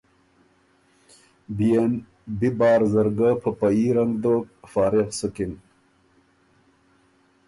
بيې ن بی بار زر ګۀ په په يي رنګ دوک، فارغ سُکِن۔